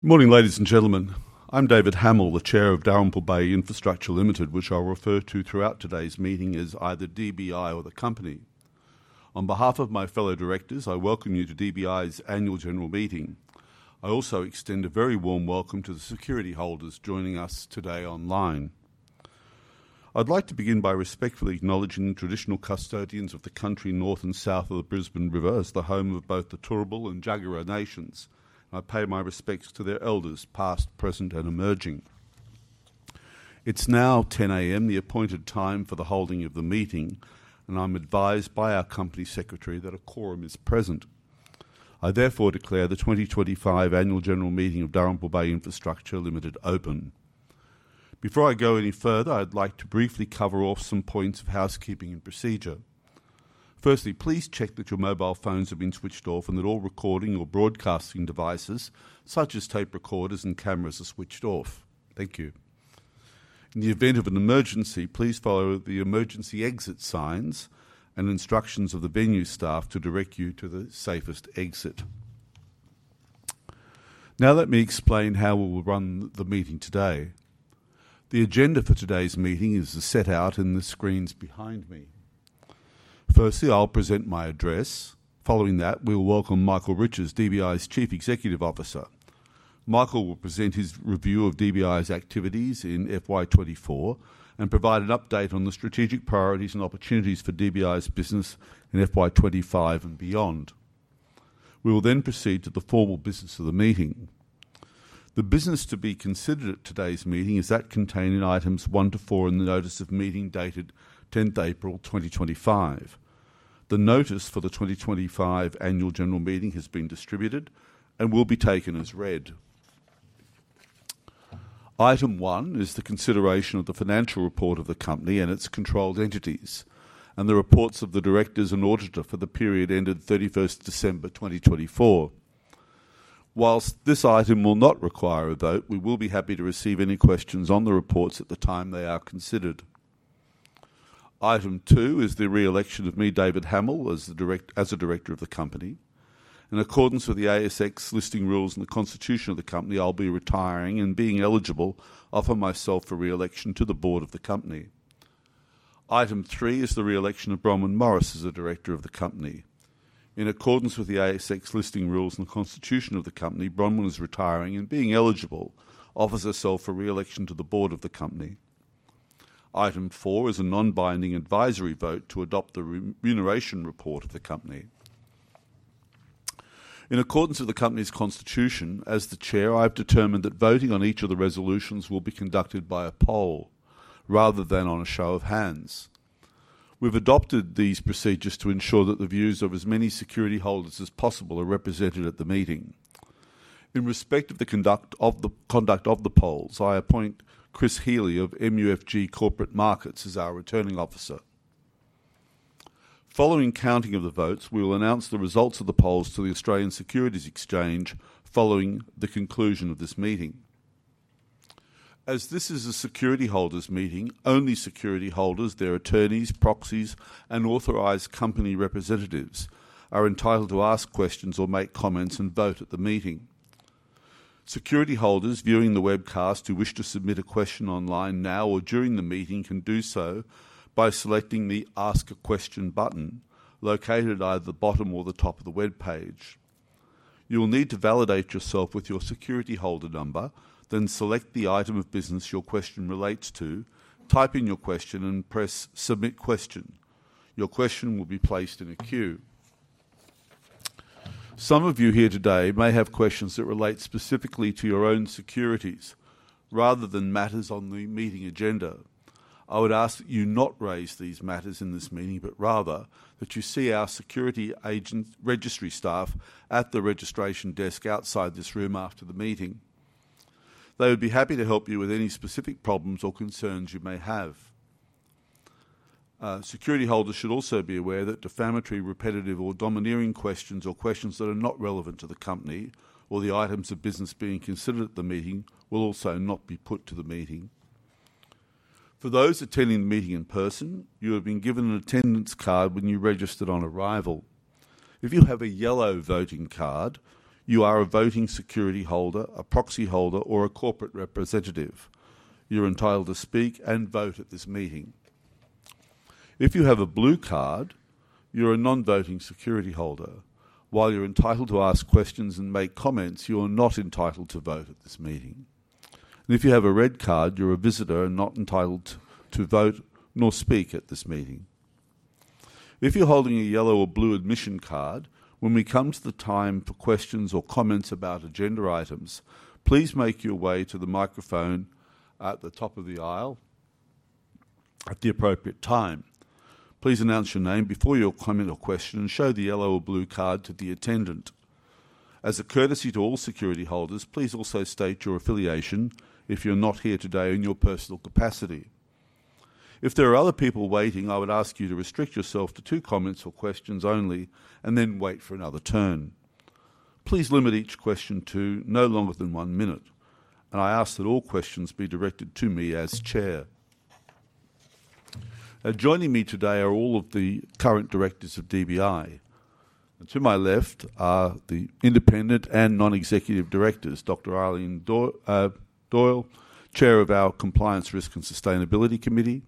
Good morning, ladies and gentlemen. I'm David Hamill, the Chair of Dalrymple Bay Infrastructure, which I'll refer to throughout today's meeting as either DBI or the company. On behalf of my fellow directors, I welcome you to DBI's annual general meeting. I also extend a very warm welcome to the security holders joining us today online. I'd like to begin by respectfully acknowledging the traditional custodians of the country north and south of the Brisbane River as the home of both the Turrbal and Jaggera nations. I pay my respects to their elders, past, present, and emerging. It's now 10:00 A.M., the appointed time for the holding of the meeting, and I'm advised by our Company Secretary that a quorum is present. I therefore declare the 2025 annual general meeting of Dalrymple Bay Infrastructure open. Before I go any further, I'd like to briefly cover off some points of housekeeping and procedure. Firstly, please check that your mobile phones have been switched off and that all recording or broadcasting devices, such as tape recorders and cameras, are switched off. Thank you. In the event of an emergency, please follow the emergency exit signs and instructions of the venue staff to direct you to the safest exit. Now, let me explain how we will run the meeting today. The agenda for today's meeting is set out in the screens behind me. Firstly, I'll present my address. Following that, we'll welcome Michael Riches, DBI's Chief Executive Officer. Michael will present his review of DBI's activities in FY24 and provide an update on the strategic priorities and opportunities for DBI's business in FY25 and beyond. We will then proceed to the formal business of the meeting. The business to be considered at today's meeting is that contained in items one to four in the notice of meeting dated 10th April 2025. The notice for the 2025 annual general meeting has been distributed and will be taken as read. Item one is the consideration of the financial report of the company and its controlled entities and the reports of the directors and auditor for the period ended 31st December 2024. Whilst this item will not require a vote, we will be happy to receive any questions on the reports at the time they are considered. Item two is the re-election of me, David Hamill, as a director of the company. In accordance with the ASX listing rules and the constitution of the company, I'll be retiring and being eligible to offer myself for re-election to the board of the company. Item three is the re-election of Bronwyn Morris as a director of the company. In accordance with the ASX listing rules and the constitution of the company, Bronwyn is retiring and being eligible to offer herself for re-election to the board of the company. Item four is a non-binding advisory vote to adopt the remuneration report of the company. In accordance with the company's constitution, as the Chair, I've determined that voting on each of the resolutions will be conducted by a poll rather than on a show of hands. We've adopted these procedures to ensure that the views of as many security holders as possible are represented at the meeting. In respect of the conduct of the polls, I appoint Chris Healy of MUFG Corporate Markets as our returning officer. Following counting of the votes, we will announce the results of the polls to the Australian Securities Exchange following the conclusion of this meeting. As this is a security holders' meeting, only security holders, their attorneys, proxies, and authorized company representatives are entitled to ask questions or make comments and vote at the meeting. Security holders viewing the webcast who wish to submit a question online now or during the meeting can do so by selecting the Ask a Question button located either at the bottom or the top of the webpage. You will need to validate yourself with your security holder number, then select the item of business your question relates to, type in your question, and press Submit Question. Your question will be placed in a queue. Some of you here today may have questions that relate specifically to your own securities rather than matters on the meeting agenda. I would ask that you not raise these matters in this meeting, but rather that you see our security registry staff at the registration desk outside this room after the meeting. They would be happy to help you with any specific problems or concerns you may have. Security holders should also be aware that defamatory, repetitive, or domineering questions or questions that are not relevant to the company or the items of business being considered at the meeting will also not be put to the meeting. For those attending the meeting in person, you have been given an attendance card when you registered on arrival. If you have a yellow voting card, you are a voting security holder, a proxy holder, or a corporate representative. You're entitled to speak and vote at this meeting. If you have a blue card, you're a non-voting security holder. While you're entitled to ask questions and make comments, you are not entitled to vote at this meeting. If you have a red card, you're a visitor and not entitled to vote nor speak at this meeting. If you're holding a yellow or blue admission card, when we come to the time for questions or comments about agenda items, please make your way to the microphone at the top of the aisle at the appropriate time. Please announce your name before your comment or question and show the yellow or blue card to the attendant. As a courtesy to all security holders, please also state your affiliation if you're not here today in your personal capacity. If there are other people waiting, I would ask you to restrict yourself to two comments or questions only and then wait for another turn. Please limit each question to no longer than one minute, and I ask that all questions be directed to me as chair. Joining me today are all of the current directors of DBI. To my left are the independent and Non-Executive Directors, Dr. Eileen Doyle, chair of our Compliance, Risk, and Sustainability Committee,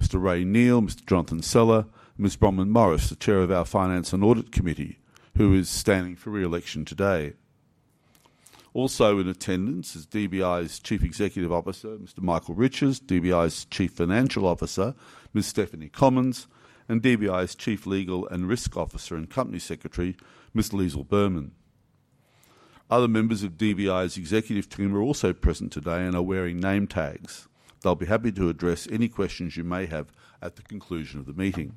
Mr. Ray Neal, Mr. Jonathan Seller, and Ms. Bronwyn Morris, the chair of our Finance and Audit Committee, who is standing for re-election today. Also in attendance is DBI's Chief Executive Officer, Mr. Michael Riches, DBI's Chief Financial Officer, Ms. Stephanie Commons, and DBI's Chief Legal and Risk Officer and Company Secretary, Ms. Liezl Berman. Other members of DBI's executive team are also present today and are wearing name tags. They'll be happy to address any questions you may have at the conclusion of the meeting.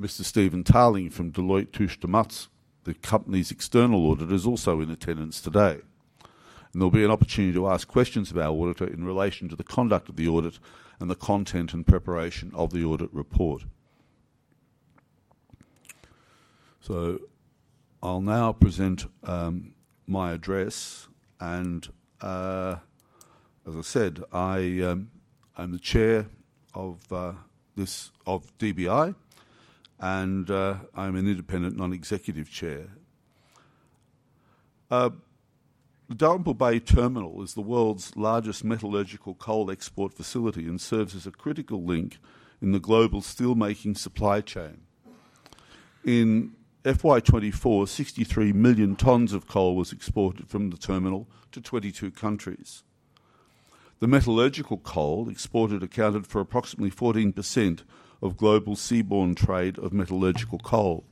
Mr. Stephen Tarling from Deloitte Touche Tohmatsu, the company's external auditor, is also in attendance today. There will be an opportunity to ask questions of our auditor in relation to the conduct of the audit and the content and preparation of the audit report. I will now present my address. As I said, I'm the chair of DBI, and I'm an Independent Non-Executive Chair. The Dalrymple Bay Terminal is the world's largest metallurgical coal export facility and serves as a critical link in the global steelmaking supply chain. In FY2024, 63 million tons of coal was exported from the terminal to 22 countries. The metallurgical coal exported accounted for approximately 14% of global seaborne trade of metallurgical coal.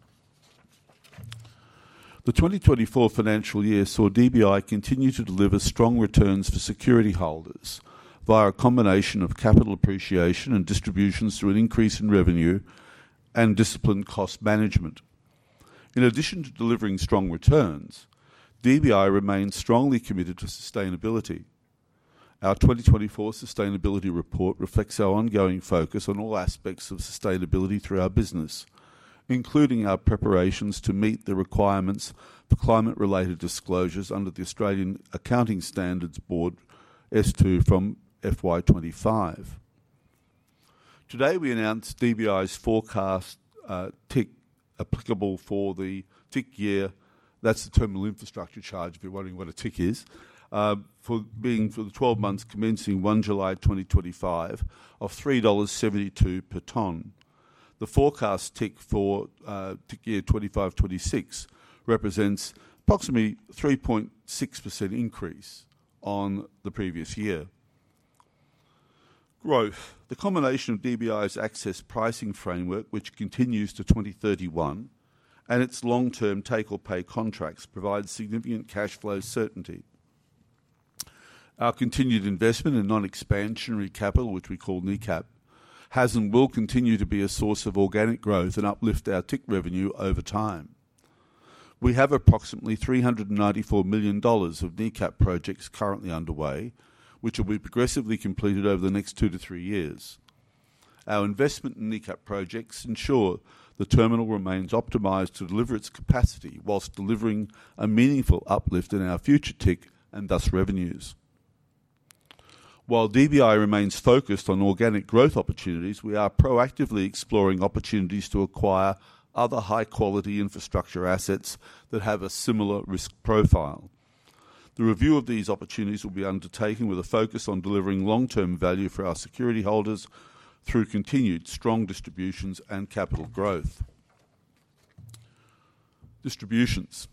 The 2024 financial year saw DBI continue to deliver strong returns for security holders via a combination of capital appreciation and distributions through an increase in revenue and disciplined cost management. In addition to delivering strong returns, DBI remains strongly committed to sustainability. Our 2024 sustainability report reflects our ongoing focus on all aspects of sustainability through our business, including our preparations to meet the requirements for climate-related disclosures under the Australian Accounting Standards Board S2 from FY25. Today, we announced DBI's forecast tick applicable for the tick year—that is the terminal infrastructure charge if you're wondering what a tick is—for being for the 12 months commencing one July 2025 of 3.72 dollars per ton. The forecast tick for tick year 2025 to 2026 represents approximately 3.6% increase on the previous year. Growth: the combination of DBI's access pricing framework, which continues to 2031, and its long-term take-or-pay contracts provides significant cash flow certainty. Our continued investment in non-expansionary capital, which we call NECAP, has and will continue to be a source of organic growth and uplift our tick revenue over time. We have approximately 394 million dollars of NECAP projects currently underway, which will be progressively completed over the next two to three years. Our investment in NECAP projects ensure the terminal remains optimized to deliver its capacity whilst delivering a meaningful uplift in our future tick and thus revenues. While DBI remains focused on organic growth opportunities, we are proactively exploring opportunities to acquire other high-quality infrastructure assets that have a similar risk profile. The review of these opportunities will be undertaken with a focus on delivering long-term value for our security holders through continued strong distributions and capital growth. Distributions: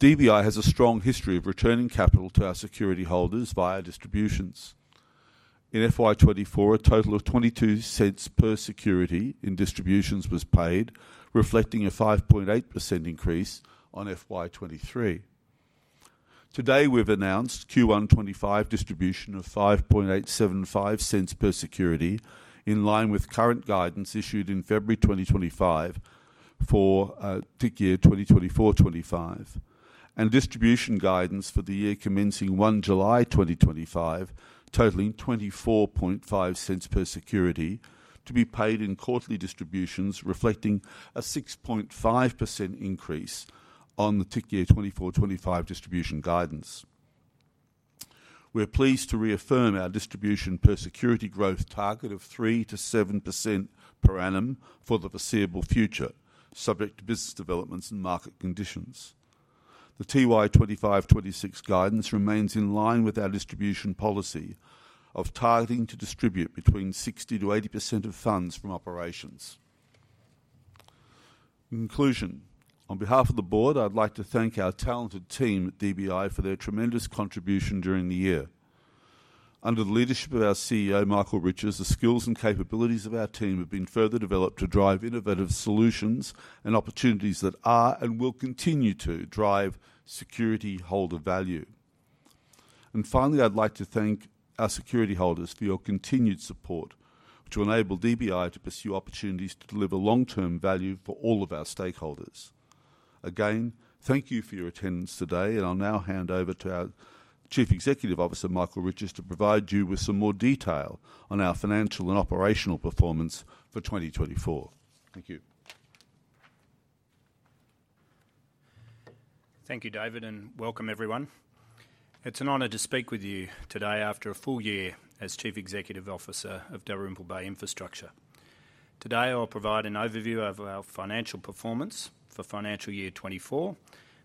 DBI has a strong history of returning capital to our security holders via distributions. In FY24, a total of 0.22 per security in distributions was paid, reflecting a 5.8% increase on FY23. Today, we've announced Q1 25 distribution of 0.05875 per security in line with current guidance issued in February 2025 for tick year 2024 to 2025 and distribution guidance for the year commencing one July 2025, totaling 0.245 per security to be paid in quarterly distributions, reflecting a 6.5% increase on the tick year 2024-2025 distribution guidance. We're pleased to reaffirm our distribution per security growth target of 3-7% per annum for the foreseeable future, subject to business developments and market conditions. The TY25-26 guidance remains in line with our distribution policy of targeting to distribute between 60-80% of funds from operations. Conclusion: On behalf of the board, I'd like to thank our talented team at DBI for their tremendous contribution during the year. Under the leadership of our CEO, Michael Riches, the skills and capabilities of our team have been further developed to drive innovative solutions and opportunities that are and will continue to drive security holder value. Finally, I'd like to thank our security holders for your continued support, which will enable DBI to pursue opportunities to deliver long-term value for all of our stakeholders. Again, thank you for your attendance today, and I'll now hand over to our Chief Executive Officer, Michael Riches, to provide you with some more detail on our financial and operational performance for 2024. Thank you. Thank you, David, and welcome, everyone. It's an honor to speak with you today after a full year as Chief Executive Officer of Dalrymple Bay Infrastructure. Today, I'll provide an overview of our financial performance for financial year 2024,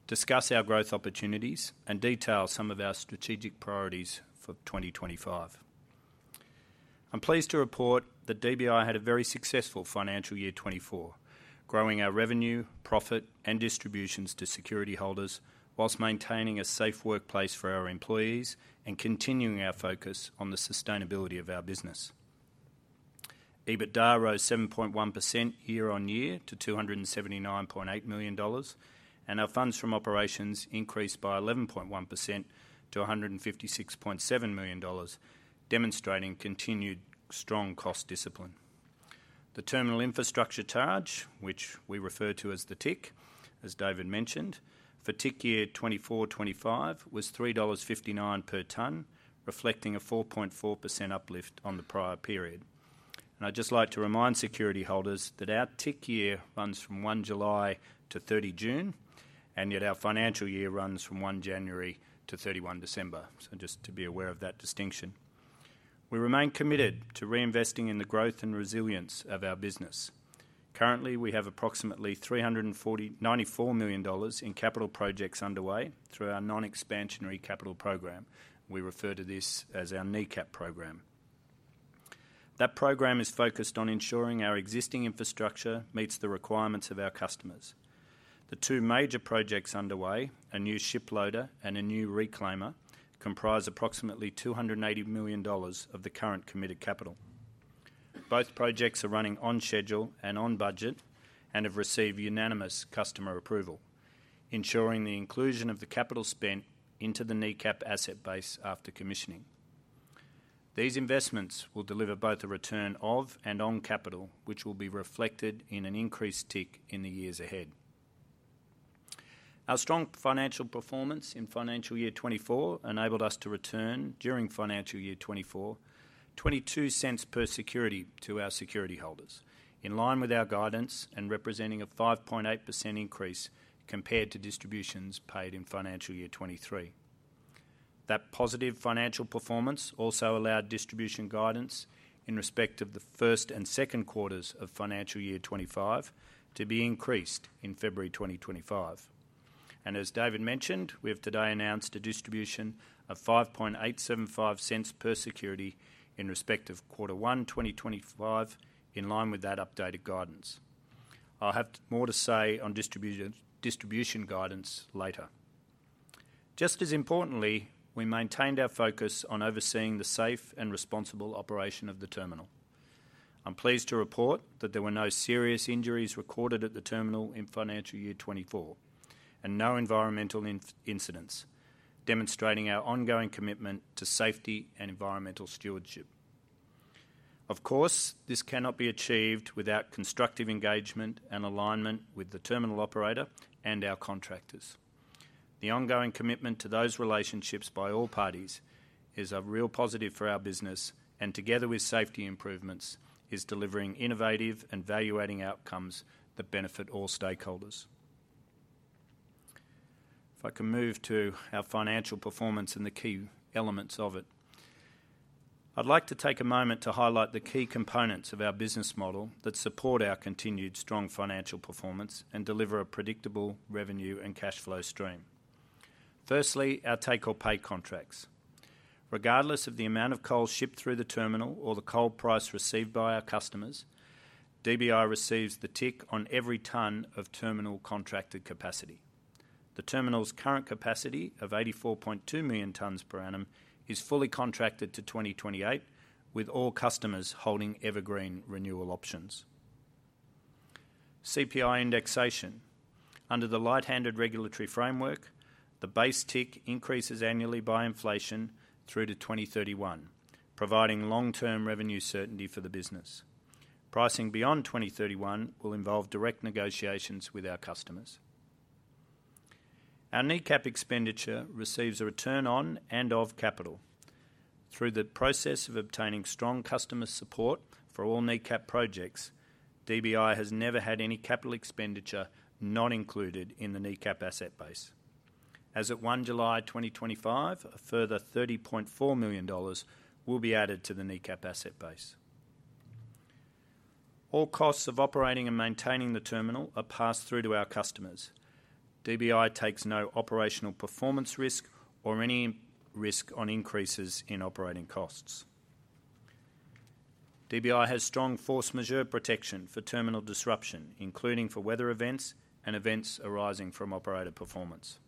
discuss our growth opportunities, and detail some of our strategic priorities for 2025. I'm pleased to report that DBI had a very successful financial year 2024, growing our revenue, profit, and distributions to security holders whilst maintaining a safe workplace for our employees and continuing our focus on the sustainability of our business. EBITDA rose 7.1% year on year to 279.8 million dollars, and our funds from operations increased by 11.1% to 156.7 million dollars, demonstrating continued strong cost discipline. The terminal infrastructure charge, which we refer to as the tick, as David mentioned, for tick year 2024-2025 was 3.59 dollars per ton, reflecting a 4.4% uplift on the prior period. I would just like to remind security holders that our tick year runs from 1 July to 30 June, and yet our financial year runs from 1 January to 31 December. Just be aware of that distinction. We remain committed to reinvesting in the growth and resilience of our business. Currently, we have approximately 394 million dollars in capital projects underway through our non-expansionary capital program. We refer to this as our NECAP program. That program is focused on ensuring our existing infrastructure meets the requirements of our customers. The two major projects underway, a new shiploader and a new reclaimer, comprise approximately 280 million dollars of the current committed capital. Both projects are running on schedule and on budget and have received unanimous customer approval, ensuring the inclusion of the capital spent into the NECAP asset base after commissioning. These investments will deliver both a return of and on capital, which will be reflected in an increased tick in the years ahead. Our strong financial performance in financial year 2024 enabled us to return during financial year 2024, 0.22 per security to our security holders, in line with our guidance and representing a 5.8% increase compared to distributions paid in financial year 2023. That positive financial performance also allowed distribution guidance in respect of the first and second quarters of financial year 2025 to be increased in February 2025. As David mentioned, we have today announced a distribution of 0.05875 per security in respect of quarter one 2025, in line with that updated guidance. I'll have more to say on distribution guidance later. Just as importantly, we maintained our focus on overseeing the safe and responsible operation of the terminal. I'm pleased to report that there were no serious injuries recorded at the terminal in financial year 2024 and no environmental incidents, demonstrating our ongoing commitment to safety and environmental stewardship. Of course, this cannot be achieved without constructive engagement and alignment with the terminal operator and our contractors. The ongoing commitment to those relationships by all parties is a real positive for our business, and together with safety improvements, is delivering innovative and valuating outcomes that benefit all stakeholders. If I can move to our financial performance and the key elements of it, I'd like to take a moment to highlight the key components of our business model that support our continued strong financial performance and deliver a predictable revenue and cash flow stream. Firstly, our take-or-pay contracts. Regardless of the amount of coal shipped through the terminal or the coal price received by our customers, DBI receives the tick on every ton of terminal contracted capacity. The terminal's current capacity of 84.2 million tons per annum is fully contracted to 2028, with all customers holding evergreen renewal options. CPI indexation: under the light-handed regulatory framework, the base tick increases annually by inflation through to 2031, providing long-term revenue certainty for the business. Pricing beyond 2031 will involve direct negotiations with our customers. Our NECAP expenditure receives a return on and of capital. Through the process of obtaining strong customer support for all NECAP projects, DBI has never had any capital expenditure not included in the NECAP asset base. As of 1 July 2025, a further 30.4 million dollars will be added to the NECAP asset base. All costs of operating and maintaining the terminal are passed through to our customers. DBI takes no operational performance risk or any risk on increases in operating costs. DBI has strong force majeure protection for terminal disruption, including for weather events and events arising from operator performance.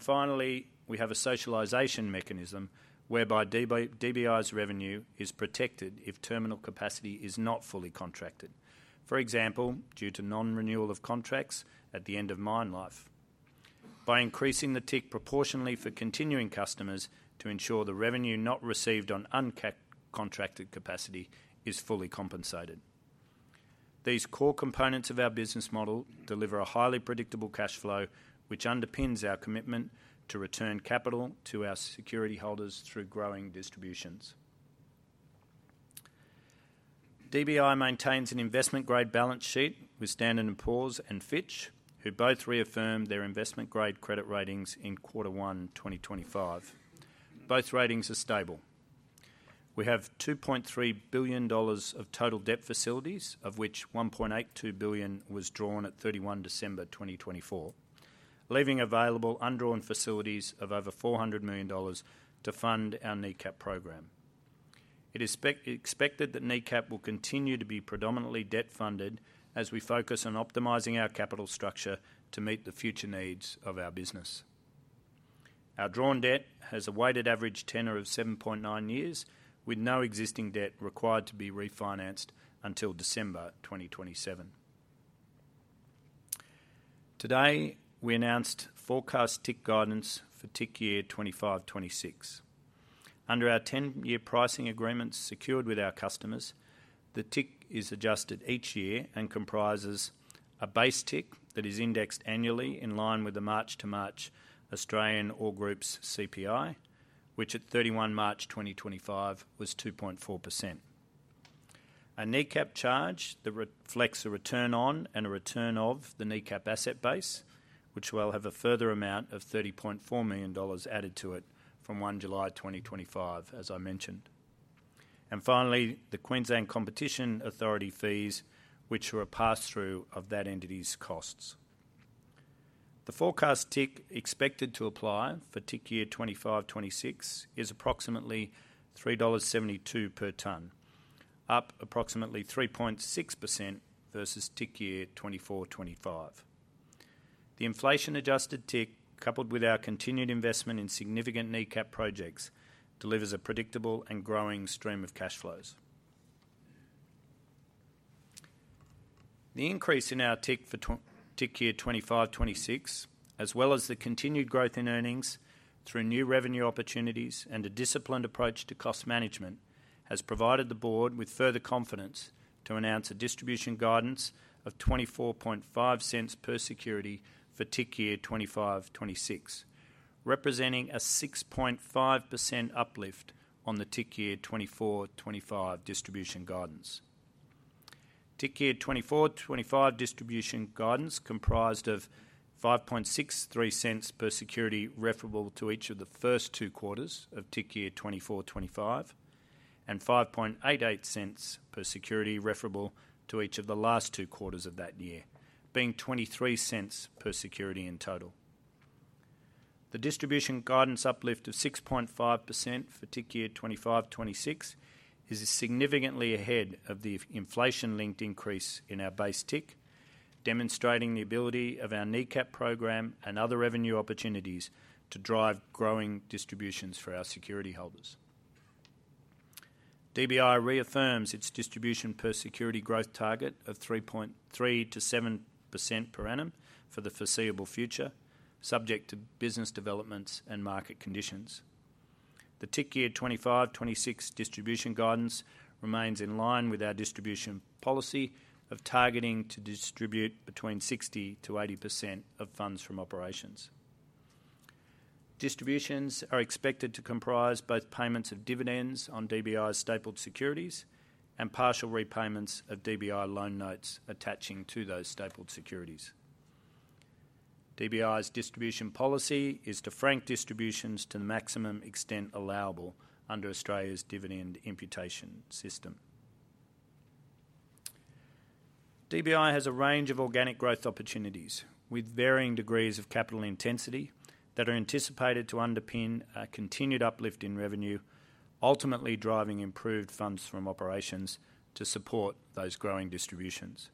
Finally, we have a socialization mechanism whereby DBI's revenue is protected if terminal capacity is not fully contracted, for example, due to non-renewal of contracts at the end of mine life, by increasing the tick proportionally for continuing customers to ensure the revenue not received on uncontracted capacity is fully compensated. These core components of our business model deliver a highly predictable cash flow, which underpins our commitment to return capital to our security holders through growing distributions. DBI maintains an investment-grade balance sheet with S&P and Fitch, who both reaffirmed their investment-grade credit ratings in quarter one 2025. Both ratings are stable. We have 2.3 billion dollars of total debt facilities, of which 1.82 billion was drawn at 31 December 2024, leaving available undrawn facilities of over 400 million dollars to fund our NECAP program. It is expected that NECAP will continue to be predominantly debt-funded as we focus on optimizing our capital structure to meet the future needs of our business. Our drawn debt has a weighted average tenor of 7.9 years, with no existing debt required to be refinanced until December 2027. Today, we announced forecast tick guidance for tick year 2526. Under our 10-year pricing agreements secured with our customers, the tick is adjusted each year and comprises a base tick that is indexed annually in line with the March-to-March Australian All Groups CPI, which at 31 March 2025 was 2.4%. A NECAP charge that reflects a return on and a return of the NECAP asset base, which will have a further amount of 30.4 million dollars added to it from July 1, 2025, as I mentioned. Finally, the Queensland Competition Authority fees, which were a pass-through of that entity's costs. The forecast tick expected to apply for tick year 2025-2026 is approximately 3.72 dollars per ton, up approximately 3.6% versus tick year 2024-2025. The inflation-adjusted tick, coupled with our continued investment in significant NECAP projects, delivers a predictable and growing stream of cash flows. The increase in our tick for tick year 2025-2026, as well as the continued growth in earnings through new revenue opportunities and a disciplined approach to cost management, has provided the board with further confidence to announce a distribution guidance of 0.245 per security for tick year 2025-2026, representing a 6.5% uplift on the tick year 2024-2025 distribution guidance. Tick year 2024-2025 distribution guidance comprised of 0.0563 per security referable to each of the first two quarters of tick year 2024-2025 and 0.0588 per security referable to each of the last two quarters of that year, being 0.23 per security in total. The distribution guidance uplift of 6.5% for tick year 2025-2026 is significantly ahead of the inflation-linked increase in our base tick, demonstrating the ability of our NECAP program and other revenue opportunities to drive growing distributions for our security holders. DBI reaffirms its distribution per security growth target of 3.3%-7% per annum for the foreseeable future, subject to business developments and market conditions. The tick year 2025-2026 distribution guidance remains in line with our distribution policy of targeting to distribute between 60%-80% of funds from operations. Distributions are expected to comprise both payments of dividends on DBI's stapled securities and partial repayments of DBI loan notes attaching to those stapled securities. DBI's distribution policy is to frank distributions to the maximum extent allowable under Australia's dividend imputation system. DBI has a range of organic growth opportunities with varying degrees of capital intensity that are anticipated to underpin a continued uplift in revenue, ultimately driving improved funds from operations to support those growing distributions.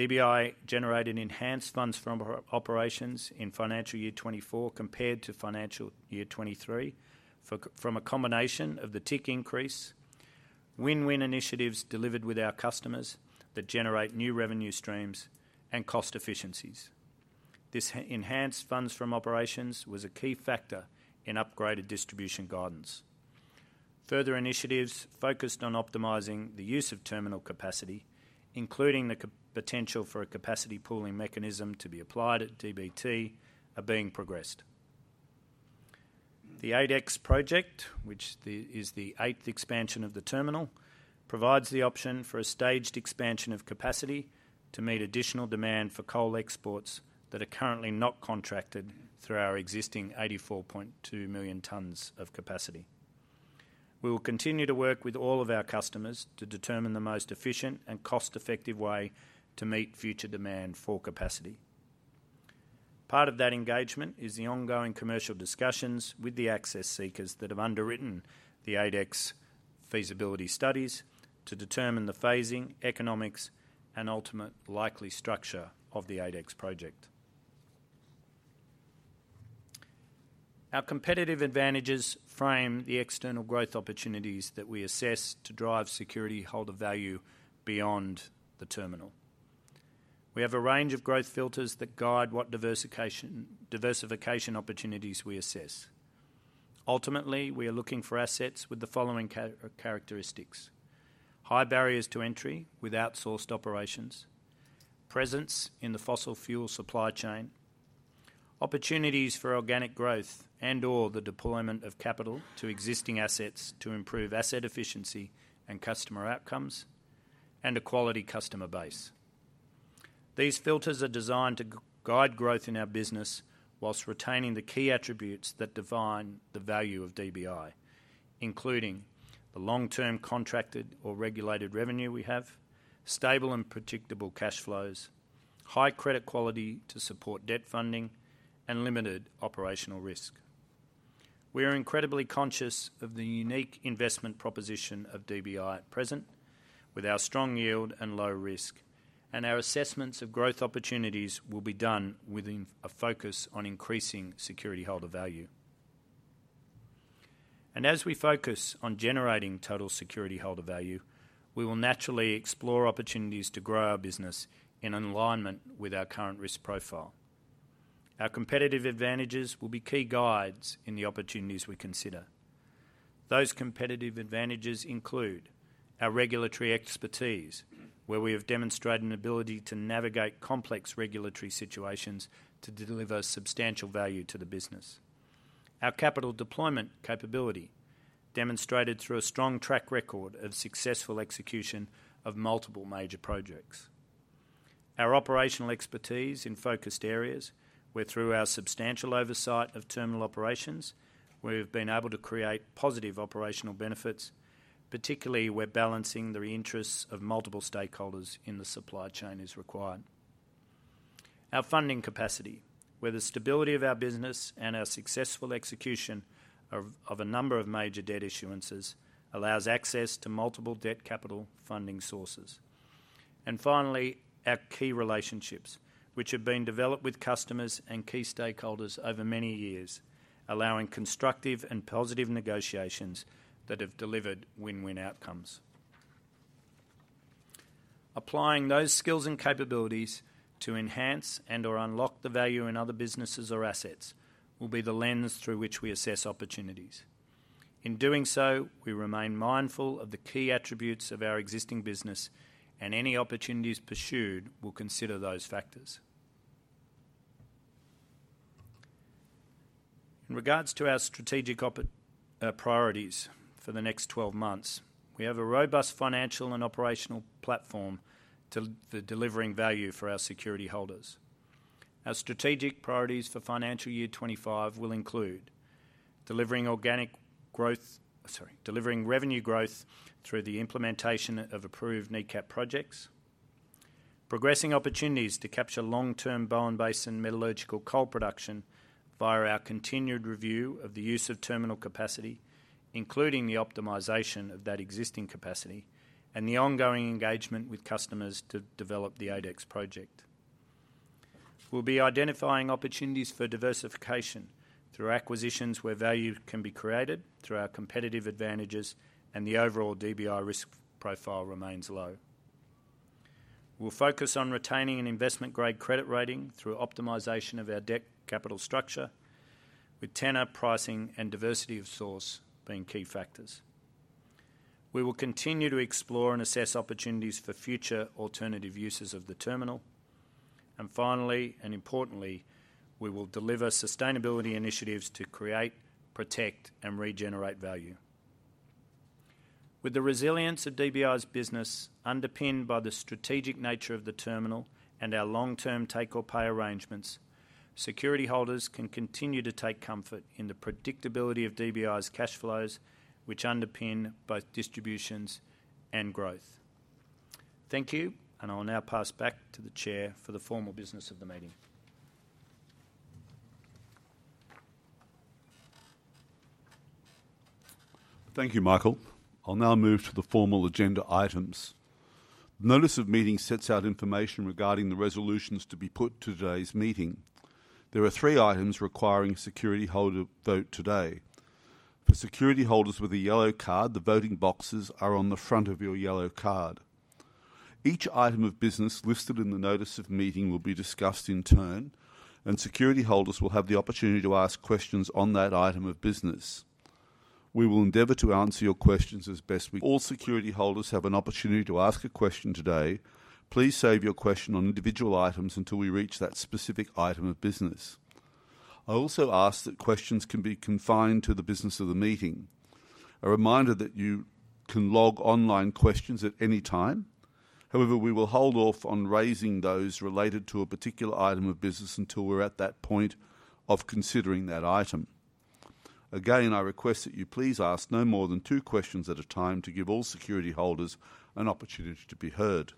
DBI generated enhanced funds from operations in financial year 2024 compared to financial year 2023 from a combination of the tick increase, win-win initiatives delivered with our customers that generate new revenue streams and cost efficiencies. This enhanced funds from operations was a key factor in upgraded distribution guidance. Further initiatives focused on optimizing the use of terminal capacity, including the potential for a capacity pooling mechanism to be applied at DBT, are being progressed. The ADEX project, which is the eighth expansion of the terminal, provides the option for a staged expansion of capacity to meet additional demand for coal exports that are currently not contracted through our existing 84.2 million tons of capacity. We will continue to work with all of our customers to determine the most efficient and cost-effective way to meet future demand for capacity. Part of that engagement is the ongoing commercial discussions with the access seekers that have underwritten the ADEX feasibility studies to determine the phasing, economics, and ultimate likely structure of the ADEX project. Our competitive advantages frame the external growth opportunities that we assess to drive security holder value beyond the terminal. We have a range of growth filters that guide what diversification opportunities we assess. Ultimately, we are looking for assets with the following characteristics: high barriers to entry with outsourced operations, presence in the fossil fuel supply chain, opportunities for organic growth and/or the deployment of capital to existing assets to improve asset efficiency and customer outcomes, and a quality customer base. These filters are designed to guide growth in our business whilst retaining the key attributes that define the value of DBI, including the long-term contracted or regulated revenue we have, stable and predictable cash flows, high credit quality to support debt funding, and limited operational risk. We are incredibly conscious of the unique investment proposition of DBI at present, with our strong yield and low risk, and our assessments of growth opportunities will be done with a focus on increasing security holder value. As we focus on generating total security holder value, we will naturally explore opportunities to grow our business in alignment with our current risk profile. Our competitive advantages will be key guides in the opportunities we consider. Those competitive advantages include our regulatory expertise, where we have demonstrated an ability to navigate complex regulatory situations to deliver substantial value to the business. Our capital deployment capability demonstrated through a strong track record of successful execution of multiple major projects. Our operational expertise in focused areas, where through our substantial oversight of terminal operations, we have been able to create positive operational benefits, particularly where balancing the interests of multiple stakeholders in the supply chain is required. Our funding capacity, where the stability of our business and our successful execution of a number of major debt issuances allows access to multiple debt capital funding sources. Finally, our key relationships, which have been developed with customers and key stakeholders over many years, allowing constructive and positive negotiations that have delivered win-win outcomes. Applying those skills and capabilities to enhance and/or unlock the value in other businesses or assets will be the lens through which we assess opportunities. In doing so, we remain mindful of the key attributes of our existing business, and any opportunities pursued will consider those factors. In regards to our strategic priorities for the next 12 months, we have a robust financial and operational platform to delivering value for our security holders. Our strategic priorities for financial year 2025 will include delivering organic growth, sorry, delivering revenue growth through the implementation of approved NECAP projects, progressing opportunities to capture long-term Bowen Basin and metallurgical coal production via our continued review of the use of terminal capacity, including the optimization of that existing capacity, and the ongoing engagement with customers to develop the ADEX project. We will be identifying opportunities for diversification through acquisitions where value can be created through our competitive advantages, and the overall DBI risk profile remains low. We'll focus on retaining an investment-grade credit rating through optimization of our debt capital structure, with tenor, pricing, and diversity of source being key factors. We will continue to explore and assess opportunities for future alternative uses of the terminal. Finally, and importantly, we will deliver sustainability initiatives to create, protect, and regenerate value. With the resilience of DBI's business underpinned by the strategic nature of the terminal and our long-term take-or-pay arrangements, security holders can continue to take comfort in the predictability of DBI's cash flows, which underpin both distributions and growth. Thank you, and I'll now pass back to the Chair for the formal business of the meeting. Thank you, Michael. I'll now move to the formal agenda items. The notice of meeting sets out information regarding the resolutions to be put to today's meeting. There are three items requiring security holder vote today. For security holders with a yellow card, the voting boxes are on the front of your yellow card. Each item of business listed in the notice of meeting will be discussed in turn, and security holders will have the opportunity to ask questions on that item of business. We will endeavor to answer your questions as best we can. All security holders have an opportunity to ask a question today. Please save your question on individual items until we reach that specific item of business. I also ask that questions can be confined to the business of the meeting. A reminder that you can log online questions at any time. However, we will hold off on raising those related to a particular item of business until we are at that point of considering that item. Again, I request that you please ask no more than two questions at a time to give all security holders an opportunity to be heard.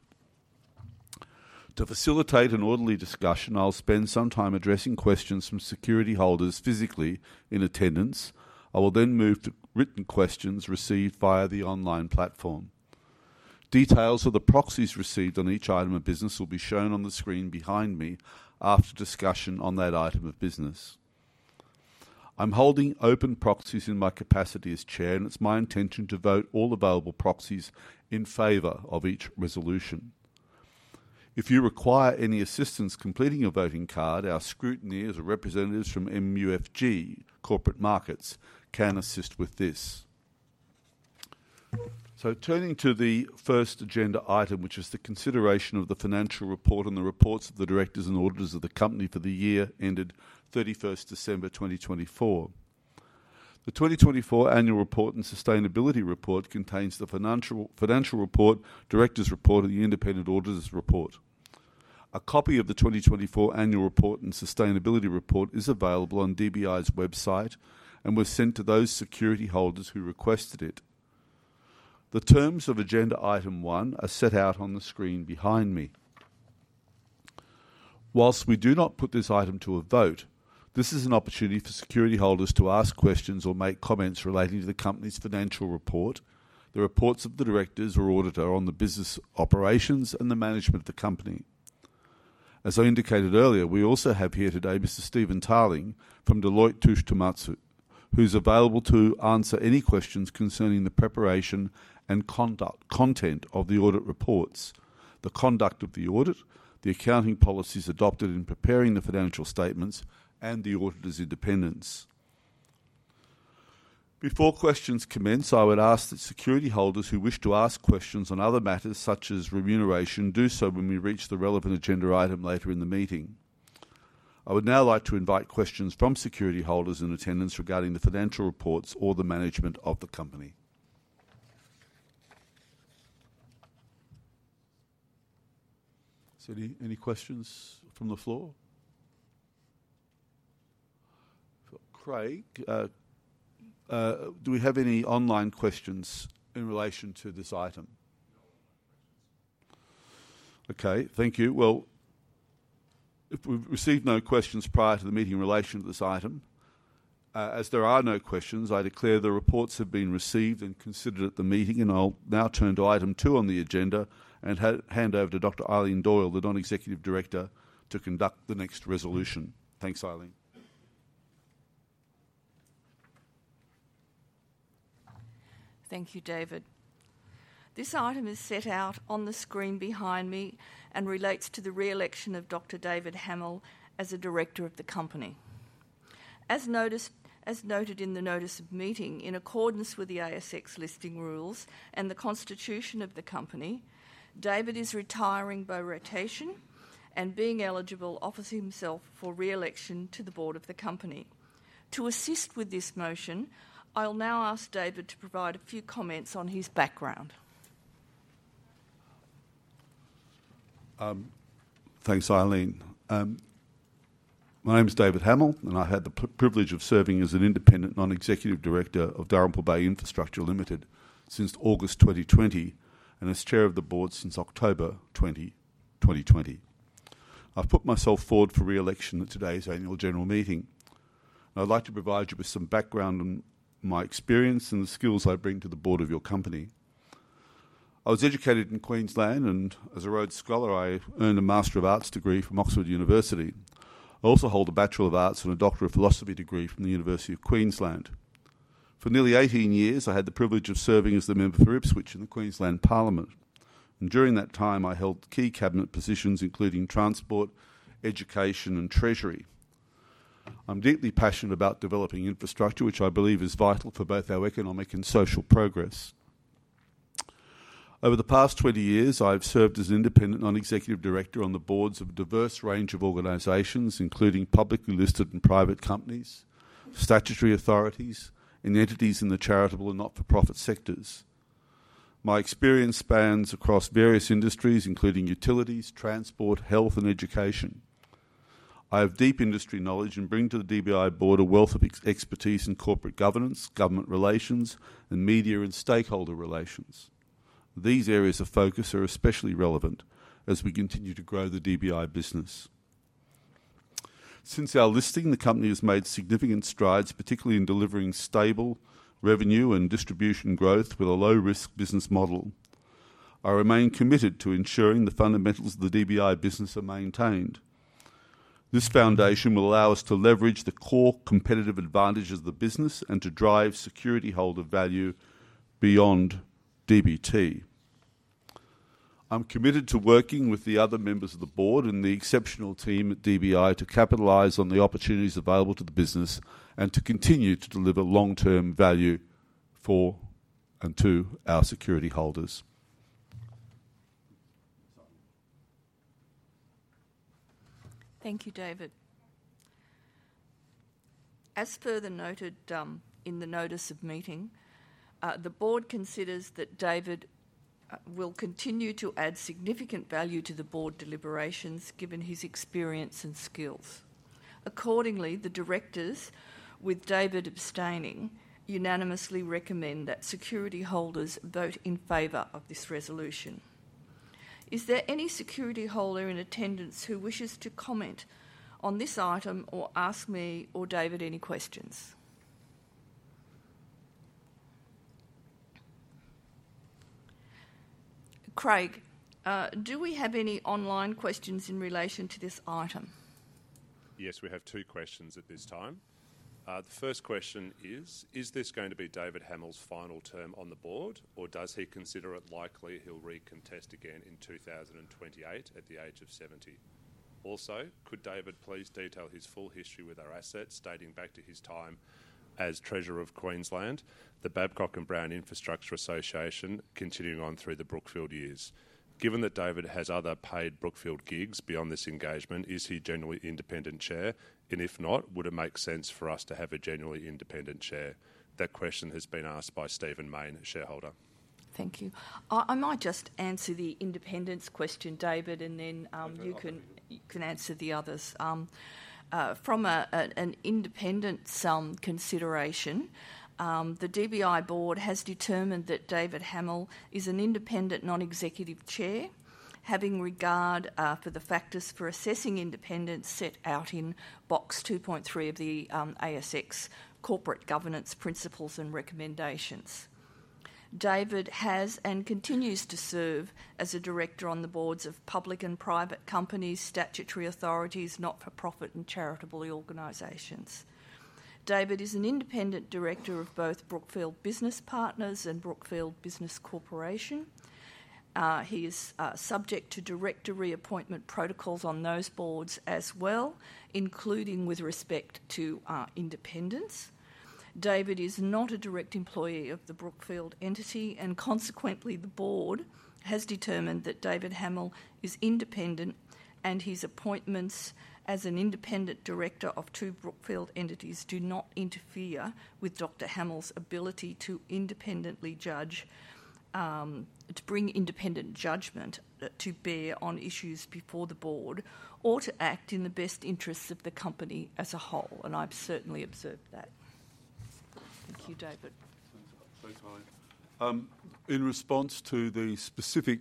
To facilitate an orderly discussion, I will spend some time addressing questions from security holders physically in attendance. I will then move to written questions received via the online platform. Details of the proxies received on each item of business will be shown on the screen behind me after discussion on that item of business. I am holding open proxies in my capacity as Chair, and it is my intention to vote all available proxies in favor of each resolution. If you require any assistance completing your voting card, our scrutineers or representatives from MUFG Corporate Markets can assist with this. Turning to the first agenda item, which is the consideration of the financial report and the reports of the directors and auditors of the company for the year ended 31 December 2024. The 2024 annual report and sustainability report contains the financial report, directors report, and the independent auditors report. A copy of the 2024 annual report and sustainability report is available on DBI's website and was sent to those security holders who requested it. The terms of agenda item one are set out on the screen behind me. Whilst we do not put this item to a vote, this is an opportunity for security holders to ask questions or make comments relating to the company's financial report, the reports of the directors or auditor on the business operations and the management of the company. As I indicated earlier, we also have here today Mr. Stephen Tarling from Deloitte Touche Tohmatsu, who's available to answer any questions concerning the preparation and content of the audit reports, the conduct of the audit, the accounting policies adopted in preparing the financial statements, and the auditor's independence. Before questions commence, I would ask that security holders who wish to ask questions on other matters such as remuneration do so when we reach the relevant agenda item later in the meeting. I would now like to invite questions from security holders in attendance regarding the financial reports or the management of the company. Any questions from the floor? Craig, do we have any online questions in relation to this item? Okay. Thank you. If we've received no questions prior to the meeting in relation to this item, as there are no questions, I declare the reports have been received and considered at the meeting, and I'll now turn to item two on the agenda and hand over to Dr. Eileen Doyle, the Non-Executive Director, to conduct the next resolution. Thanks, Eileen. Thank you, David. This item is set out on the screen behind me and relates to the re-election of Dr. David Hamill as a director of the company. As noted in the notice of meeting, in accordance with the ASX listing rules and the constitution of the company, David is retiring by rotation and being eligible offers himself for re-election to the board of the company. To assist with this motion, I'll now ask David to provide a few comments on his background. Thanks, Eileen. My name is David Hamill, and I had the privilege of serving as an independent Non-Executive Director of Dalrymple Bay Infrastructure Ltd since August 2020 and as chair of the board since October 2020. I've put myself forward for re-election at today's annual general meeting. I'd like to provide you with some background on my experience and the skills I bring to the board of your company. I was educated in Queensland, and as a Rhodes Scholar, I earned a Master of Arts degree from Oxford University. I also hold a Bachelor of Arts and a Doctor of Philosophy degree from the University of Queensland. For nearly 18 years, I had the privilege of serving as the member for Ipswich in the Queensland Parliament. During that time, I held key cabinet positions, including Transport, Education, and Treasury. I'm deeply passionate about developing infrastructure, which I believe is vital for both our economic and social progress. Over the past 20 years, I've served as an independent non-executive director on the boards of a diverse range of organizations, including publicly listed and private companies, statutory authorities, and entities in the charitable and not-for-profit sectors. My experience spans across various industries, including utilities, transport, health, and education. I have deep industry knowledge and bring to the DBI board a wealth of expertise in corporate governance, government relations, and media and stakeholder relations. These areas of focus are especially relevant as we continue to grow the DBI business. Since our listing, the company has made significant strides, particularly in delivering stable revenue and distribution growth with a low-risk business model. I remain committed to ensuring the fundamentals of the DBI business are maintained. This foundation will allow us to leverage the core competitive advantages of the business and to drive security holder value beyond DBT. I'm committed to working with the other members of the board and the exceptional team at DBI to capitalize on the opportunities available to the business and to continue to deliver long-term value for and to our security holders. Thank you, David. As further noted in the notice of meeting, the board considers that David will continue to add significant value to the board deliberations given his experience and skills. Accordingly, the directors, with David abstaining, unanimously recommend that security holders vote in favor of this resolution. Is there any security holder in attendance who wishes to comment on this item or ask me or David any questions? Craig, do we have any online questions in relation to this item? Yes, we have two questions at this time. The first question is, is this going to be David Hamill's final term on the board, or does he consider it likely he'll recontest again in 2028 at the age of 70? Also, could David please detail his full history with our assets dating back to his time as Treasurer of Queensland, the Babcock & Brown Infrastructure Association, continuing on through the Brookfield years? Given that David has other paid Brookfield gigs beyond this engagement, is he generally independent chair? And if not, would it make sense for us to have a generally independent chair? That question has been asked by Stephen Maine, shareholder. Thank you. I might just answer the independence question, David, and then you can answer the others. From an independence consideration, the DBI board has determined that David Hamill is an independent Non-Executive Chair, having regard for the factors for assessing independence set out in Box 2.3 of the ASX Corporate Governance Principles and Recommendations. David has and continues to serve as a director on the boards of public and private companies, statutory authorities, not-for-profit, and charitable organizations. David is an independent director of both Brookfield Business Partners and Brookfield Business Corporation. He is subject to director reappointment protocols on those boards as well, including with respect to independence. David is not a direct employee of the Brookfield entity, and consequently, the board has determined that David Hamill is independent, and his appointments as an independent director of two Brookfield entities do not interfere with Dr. Hamill's ability to independently judge, to bring independent judgment to bear on issues before the board or to act in the best interests of the company as a whole. I have certainly observed that. Thank you, David. Thanks, Eileen. In response to the specific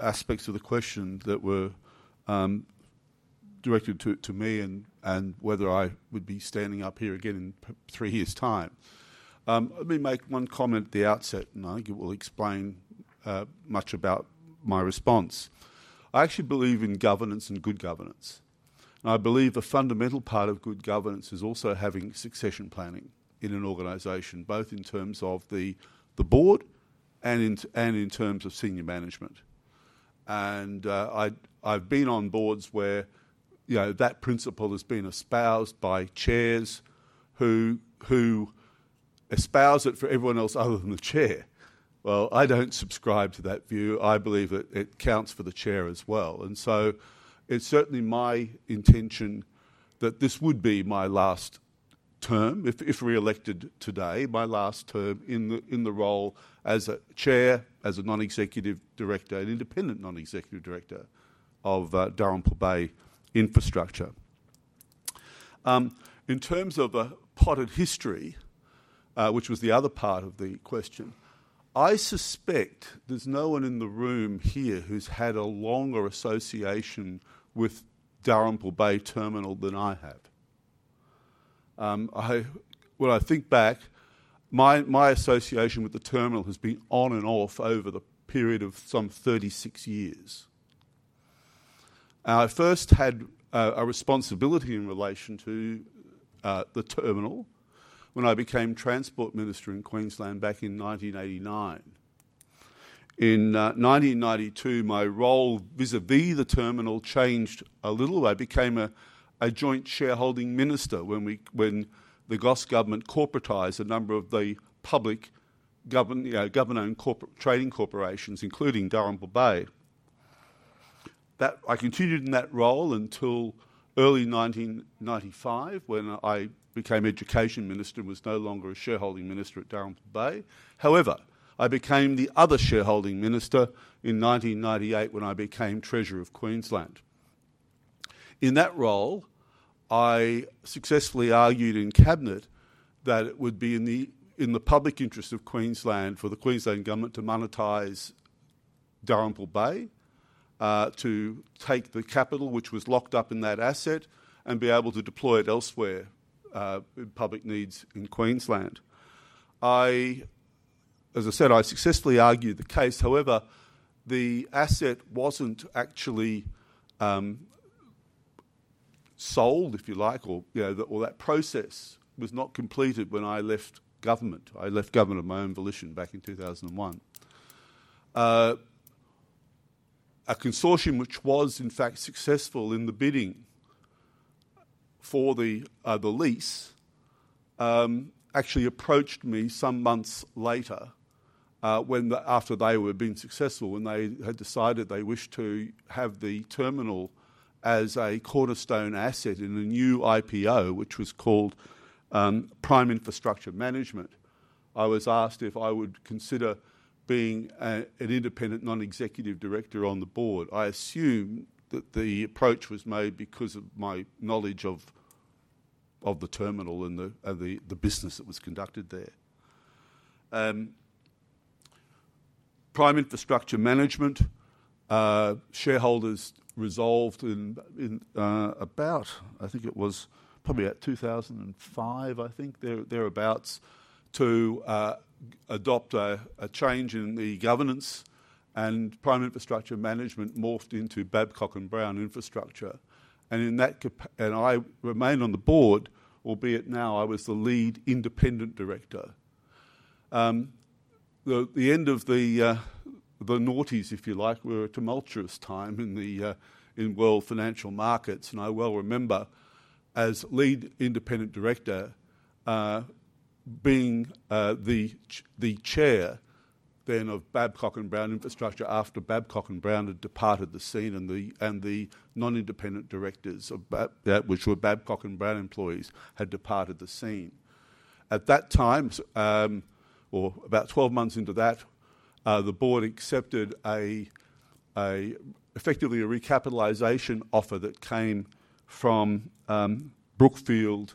aspects of the question that were directed to me and whether I would be standing up here again in three years' time, let me make one comment at the outset, and I think it will explain much about my response. I actually believe in governance and good governance. I believe a fundamental part of good governance is also having succession planning in an organization, both in terms of the board and in terms of senior management. I've been on boards where that principle has been espoused by chairs who espouse it for everyone else other than the chair. I don't subscribe to that view. I believe that it counts for the chair as well. It is certainly my intention that this would be my last term, if re-elected today, my last term in the role as Chair, as a Non-Executive Director, an independent Non-Executive Director of Dalrymple Bay Infrastructure. In terms of a potted history, which was the other part of the question, I suspect there is no one in the room here who has had a longer association with Dalrymple Bay Terminal than I have. When I think back, my association with the terminal has been on and off over the period of some 36 years. I first had a responsibility in relation to the terminal when I became Transport Minister in Queensland back in 1989. In 1992, my role vis-à-vis the terminal changed a little. I became a joint shareholding minister when the Goss government corporatized a number of the public government and trading corporations, including Dalrymple Bay. I continued in that role until early 1995 when I became Education Minister and was no longer a shareholding minister at Dalrymple Bay. However, I became the other shareholding minister in 1998 when I became Treasurer of Queensland. In that role, I successfully argued in cabinet that it would be in the public interest of Queensland for the Queensland government to monetize Dalrymple Bay, to take the capital, which was locked up in that asset, and be able to deploy it elsewhere in public needs in Queensland. As I said, I successfully argued the case. However, the asset was not actually sold, if you like, or that process was not completed when I left government. I left government of my own volition back in 2001. A consortium, which was in fact successful in the bidding for the lease, actually approached me some months later after they were being successful when they had decided they wished to have the terminal as a cornerstone asset in a new IPO, which was called Prime Infrastructure Management. I was asked if I would consider being an Independent Non-Executive Director on the board. I assume that the approach was made because of my knowledge of the terminal and the business that was conducted there. Prime Infrastructure Management shareholders resolved in about, I think it was probably at 2005, I think, thereabouts, to adopt a change in the governance, and Prime Infrastructure Management morphed into Babcock & Brown Infrastructure. I remained on the board, albeit now I was the lead independent director. The end of the noughties, if you like, were a tumultuous time in world financial markets. I well remember as lead independent director being the chair then of Babcock & Brown Infrastructure after Babcock & Brown had departed the scene and the non-independent directors, which were Babcock & Brown employees, had departed the scene. At that time, or about 12 months into that, the board accepted effectively a recapitalization offer that came from Brookfield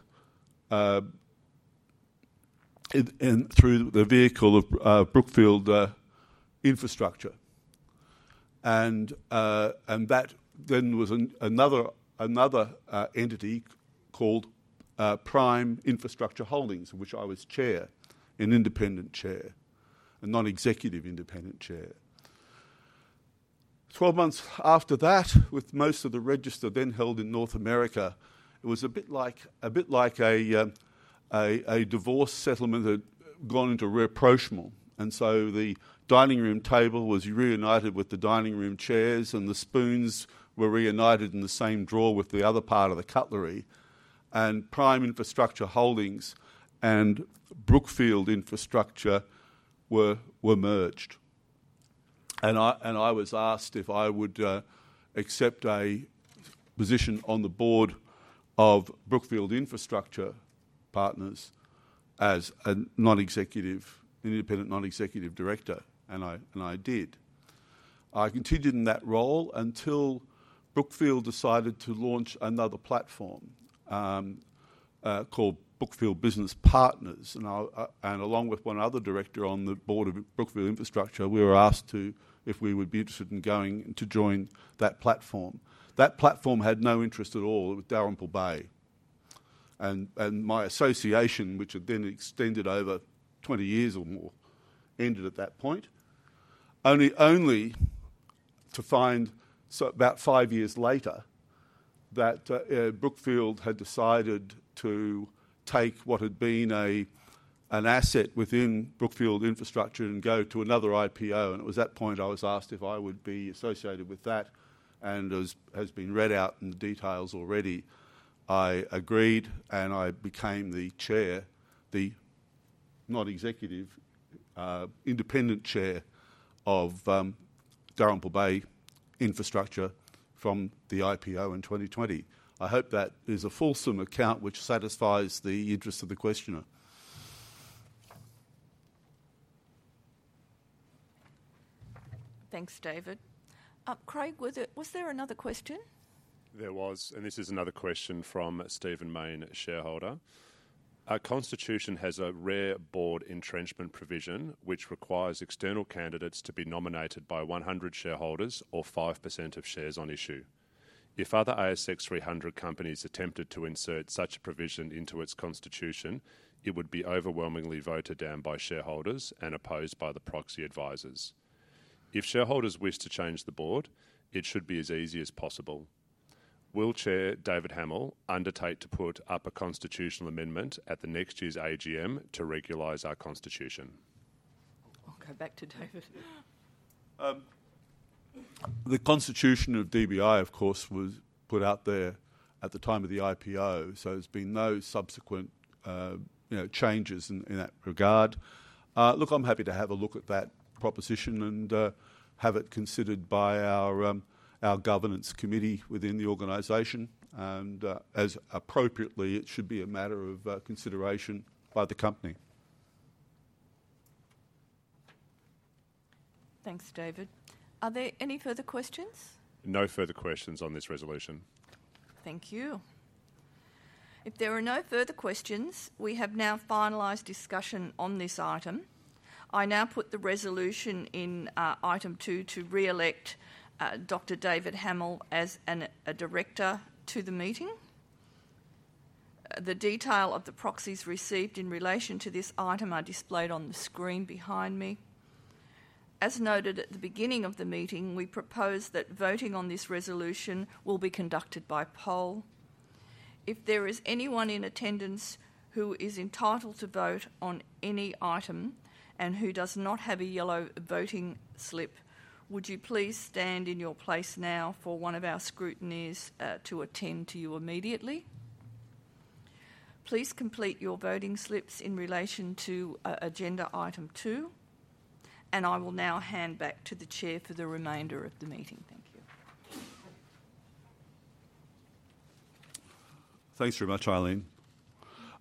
through the vehicle of Brookfield Infrastructure Partners. That then was another entity called Prime Infrastructure Holdings, of which I was chair, an independent chair, a non-executive independent chair. 12 months after that, with most of the register then held in North America, it was a bit like a divorce settlement that had gone into rapprochement. The dining room table was reunited with the dining room chairs, and the spoons were reunited in the same drawer with the other part of the cutlery. Prime Infrastructure Holdings and Brookfield Infrastructure were merged. I was asked if I would accept a position on the board of Brookfield Infrastructure Partners as an independent non-executive director, and I did. I continued in that role until Brookfield decided to launch another platform called Brookfield Business Partners. Along with one other director on the board of Brookfield Infrastructure, we were asked if we would be interested in going to join that platform. That platform had no interest at all with Darren Pobe. My association, which had then extended over 20 years or more, ended at that point, only to find about five years later that Brookfield had decided to take what had been an asset within Brookfield Infrastructure and go to another IPO. It was at that point I was asked if I would be associated with that. As has been read out in the details already, I agreed, and I became the chair, the Non-Executive Independent Chair of Dalrymple Bay Infrastructure from the IPO in 2020. I hope that is a fulsome account which satisfies the interest of the questioner. Thanks, David. Craig, was there another question? There was, and this is another question from Stephen Maine, shareholder. Our constitution has a rare board entrenchment provision, which requires external candidates to be nominated by 100 shareholders or 5% of shares on issue. If other ASX 300 companies attempted to insert such a provision into its constitution, it would be overwhelmingly voted down by shareholders and opposed by the proxy advisors. If shareholders wish to change the board, it should be as easy as possible. Will Chair David Hamill undertake to put up a constitutional amendment at the next year's AGM to regularize our constitution? I'll go back to David. The constitution of DBI, of course, was put out there at the time of the IPO, so there's been no subsequent changes in that regard. Look, I'm happy to have a look at that proposition and have it considered by our governance committee within the organization. As appropriately, it should be a matter of consideration by the company. Thanks, David. Are there any further questions? No further questions on this resolution. Thank you. If there are no further questions, we have now finalized discussion on this item. I now put the resolution in item two to re-elect Dr. David Hamill as a director to the meeting. The detail of the proxies received in relation to this item are displayed on the screen behind me. As noted at the beginning of the meeting, we propose that voting on this resolution will be conducted by poll. If there is anyone in attendance who is entitled to vote on any item and who does not have a yellow voting slip, would you please stand in your place now for one of our scrutineers to attend to you immediately? Please complete your voting slips in relation to agenda item two. I will now hand back to the chair for the remainder of the meeting. Thank you. Thanks very much, Eileen.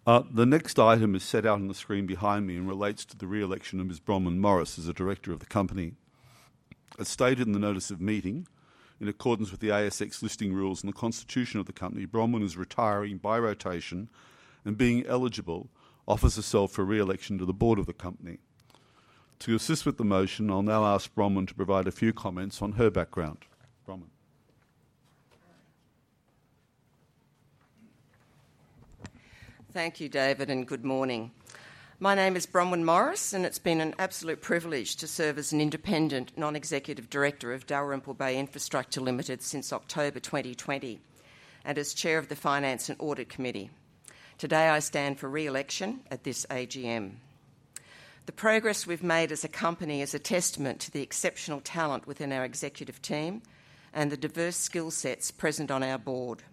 The next item is set out on the screen behind me and relates to the re-election of Ms. Bronwyn Morris as a director of the company. As stated in the notice of meeting, in accordance with the ASX listing rules and the constitution of the company, Bronwyn is retiring by rotation and being eligible offers herself for re-election to the board of the company. To assist with the motion, I'll now ask Bronwyn to provide a few comments on her background. Bronwyn. Thank you, David, and good morning. My name is Bronwyn Morris, and it's been an absolute privilege to serve as an Independent Non-Executive Director of Dalrymple Bay Infrastructure Ltd since October 2020 and as chair of the Finance and Audit Committee. Today, I stand for re-election at this AGM. The progress we've made as a company is a testament to the exceptional talent within our executive team and the diverse skill sets present on our board.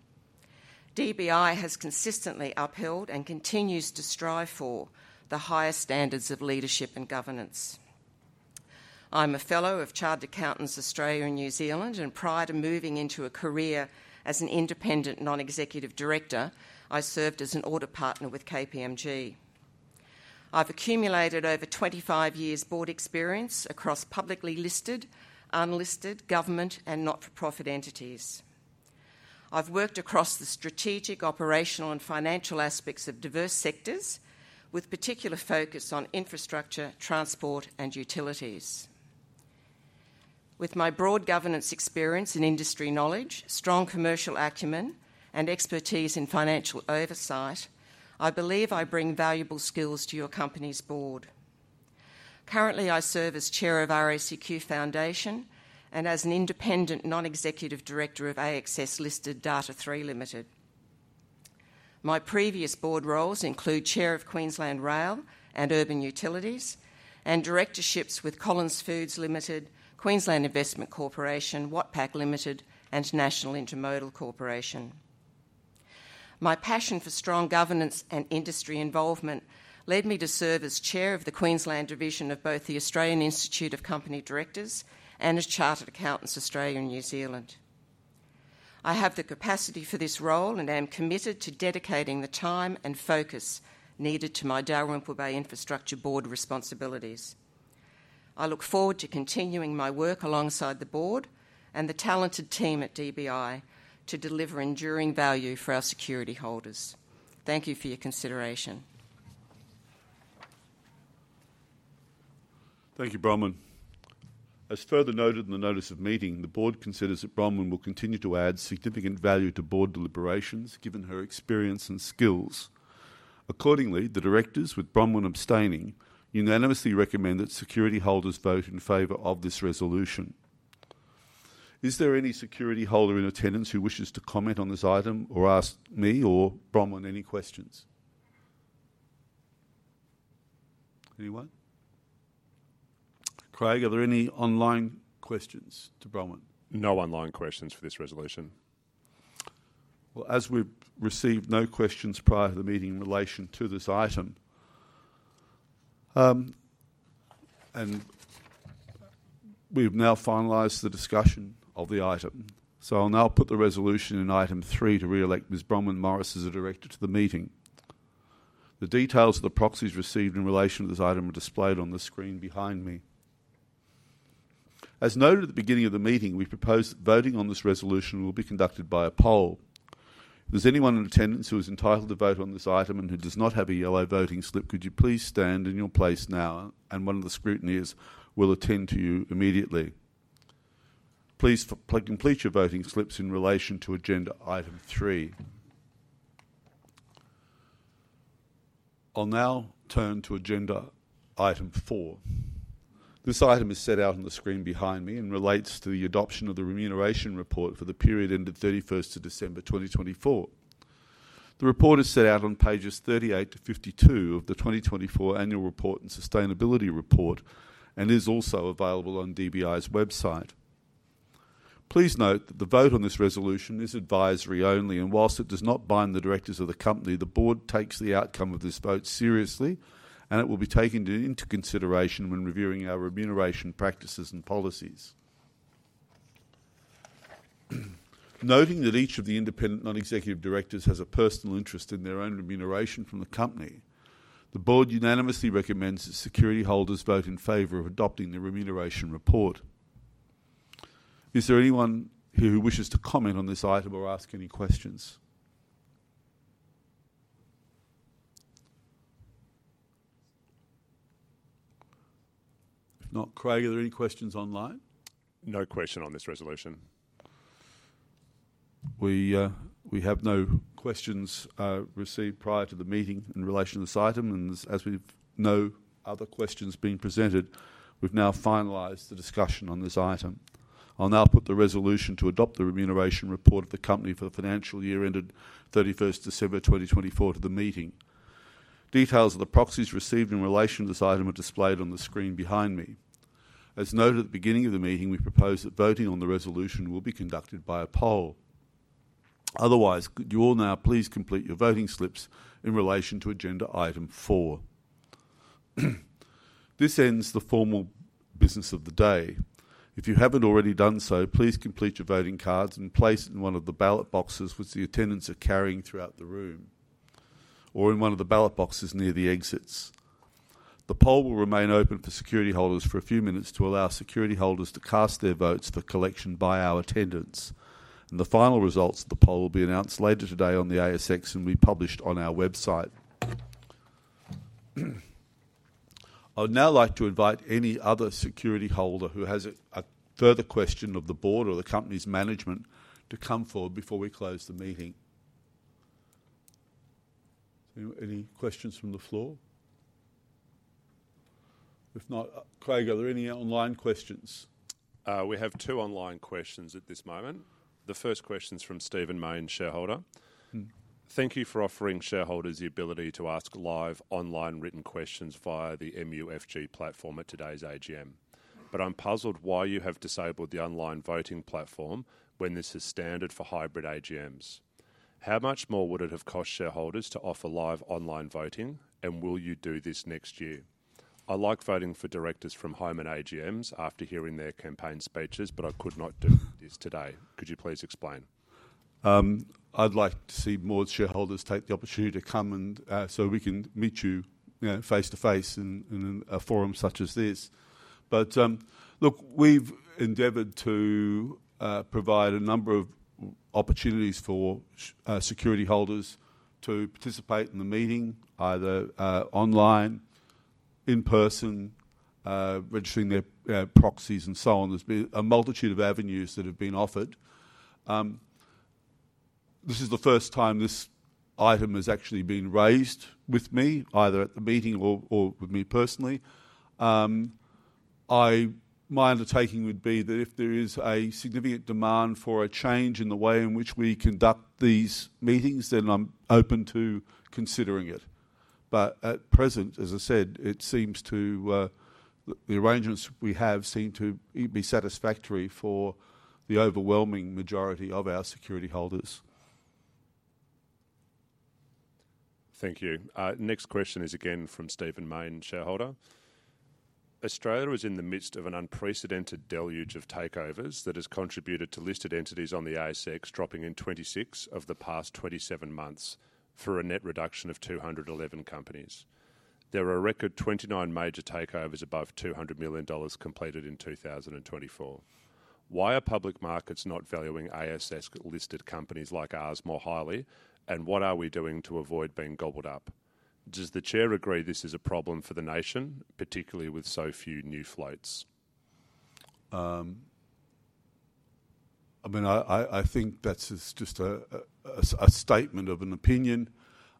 DBI has consistently upheld and continues to strive for the highest standards of leadership and governance. I'm a fellow of Chartered Accountants Australia and New Zealand, and prior to moving into a career as an independent non-executive director, I served as an audit partner with KPMG. I've accumulated over 25 years' board experience across publicly listed, unlisted, government, and not-for-profit entities. I've worked across the strategic, operational, and financial aspects of diverse sectors, with particular focus on infrastructure, transport, and utilities. With my broad governance experience and industry knowledge, strong commercial acumen, and expertise in financial oversight, I believe I bring valuable skills to your company's board. Currently, I serve as chair of RACQ Foundation and as an independent non-executive director of ASX listed Data 3 Ltd. My previous board roles include chair of Queensland Rail and Urban Utilities and directorships with Collins Foods Ltd, Queensland Investment Corporation, Watpac Ltd, and National Intermodal Corporation. My passion for strong governance and industry involvement led me to serve as chair of the Queensland Division of both the Australian Institute of Company Directors and as Chartered Accountants Australia and New Zealand. I have the capacity for this role and am committed to dedicating the time and focus needed to my Dalrymple Bay Infrastructure board responsibilities. I look forward to continuing my work alongside the board and the talented team at DBI to deliver enduring value for our security holders. Thank you for your consideration. Thank you, Bronwyn. As further noted in the notice of meeting, the board considers that Bronwyn will continue to add significant value to board deliberations given her experience and skills. Accordingly, the directors, with Bronwyn abstaining, unanimously recommend that security holders vote in favor of this resolution. Is there any security holder in attendance who wishes to comment on this item or ask me or Bronwyn any questions? Anyone? Craig, are there any online questions to Bronwyn? No online questions for this resolution. As we've received no questions prior to the meeting in relation to this item, and we've now finalized the discussion of the item, I'll now put the resolution in item three to re-elect Ms. Bronwyn Morris as a director to the meeting. The details of the proxies received in relation to this item are displayed on the screen behind me. As noted at the beginning of the meeting, we propose that voting on this resolution will be conducted by a poll. If there's anyone in attendance who is entitled to vote on this item and who does not have a yellow voting slip, could you please stand in your place now, and one of the scrutineers will attend to you immediately. Please complete your voting slips in relation to agenda item three. I'll now turn to agenda item four. This item is set out on the screen behind me and relates to the adoption of the remuneration report for the period ended 31st of December 2024. The report is set out on pages 38 to 52 of the 2024 Annual Report and Sustainability Report and is also available on DBI's website. Please note that the vote on this resolution is advisory only, and whilst it does not bind the directors of the company, the board takes the outcome of this vote seriously, and it will be taken into consideration when reviewing our remuneration practices and policies. Noting that each of the independent non-executive directors has a personal interest in their own remuneration from the company, the board unanimously recommends that security holders vote in favor of adopting the remuneration report. Is there anyone who wishes to comment on this item or ask any questions? If not, Craig, are there any questions online? No question on this resolution. We have no questions received prior to the meeting in relation to this item. As we know other questions being presented, we've now finalized the discussion on this item. I'll now put the resolution to adopt the remuneration report of the company for the financial year ended 31 December 2024 to the meeting. Details of the proxies received in relation to this item are displayed on the screen behind me. As noted at the beginning of the meeting, we propose that voting on the resolution will be conducted by a poll. Otherwise, could you all now please complete your voting slips in relation to agenda item four? This ends the formal business of the day. If you have not already done so, please complete your voting cards and place it in one of the ballot boxes which the attendants are carrying throughout the room or in one of the ballot boxes near the exits. The poll will remain open for security holders for a few minutes to allow security holders to cast their votes for collection by our attendants. The final results of the poll will be announced later today on the ASX and will be published on our website. I would now like to invite any other security holder who has a further question of the board or the company's management to come forward before we close the meeting. Any questions from the floor? If not, Craig, are there any online questions? We have two online questions at this moment. The first question's from Stephen Maine, shareholder. Thank you for offering shareholders the ability to ask live online written questions via the MUFG platform at today's AGM. I am puzzled why you have disabled the online voting platform when this is standard for hybrid AGMs. How much more would it have cost shareholders to offer live online voting, and will you do this next year? I like voting for directors from home in AGMs after hearing their campaign speeches, but I could not do this today. Could you please explain? I'd like to see more shareholders take the opportunity to come and so we can meet you face to face in a forum such as this. Look, we've endeavored to provide a number of opportunities for security holders to participate in the meeting, either online, in person, registering their proxies, and so on. There's been a multitude of avenues that have been offered. This is the first time this item has actually been raised with me, either at the meeting or with me personally. My undertaking would be that if there is a significant demand for a change in the way in which we conduct these meetings, then I'm open to considering it. At present, as I said, it seems the arrangements we have seem to be satisfactory for the overwhelming majority of our security holders. Thank you. Next question is again from Stephen Maine, shareholder. Australia is in the midst of an unprecedented deluge of takeovers that has contributed to listed entities on the ASX dropping in 26 of the past 27 months for a net reduction of 211 companies. There are a record 29 major takeovers above 200 million dollars completed in 2024. Why are public markets not valuing ASX-listed companies like ours more highly, and what are we doing to avoid being gobbled up? Does the Chair agree this is a problem for the nation, particularly with so few new floats? I mean, I think that's just a statement of an opinion.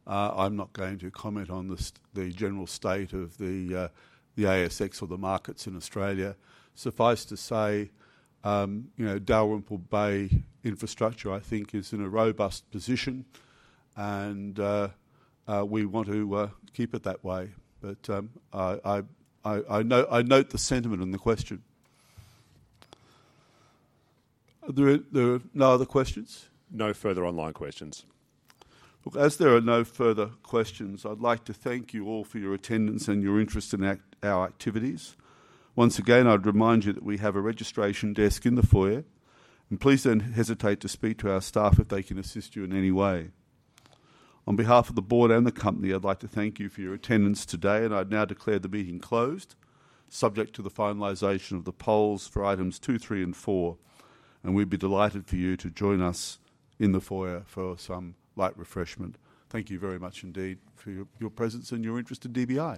I'm not going to comment on the general state of the ASX or the markets in Australia. Suffice to say, Dalrymple Bay Infrastructure, I think, is in a robust position, and we want to keep it that way. I note the sentiment in the question. Are there no other questions? No further online questions. Look, as there are no further questions, I'd like to thank you all for your attendance and your interest in our activities. Once again, I'd remind you that we have a registration desk in the foyer, and please don't hesitate to speak to our staff if they can assist you in any way. On behalf of the board and the company, I'd like to thank you for your attendance today, and I now declare the meeting closed, subject to the finalization of the polls for items two, three, and four. We'd be delighted for you to join us in the foyer for some light refreshment. Thank you very much indeed for your presence and your interest in DBI.